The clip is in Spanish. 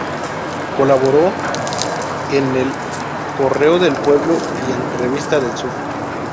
Colaboró en "El Correo del Pueblo" y en "Revista del Sur".